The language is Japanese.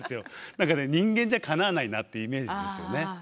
何か人間じゃかなわないなっていうイメージですよね。